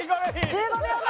１５秒前。